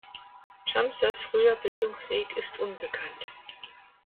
Tschamsers früher Bildungsweg ist unbekannt.